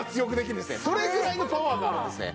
それぐらいのパワーがあるんですね。